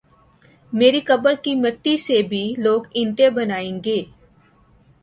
میری قبر کی مٹی سے بھی لوگ اینٹیں بنائی گے ۔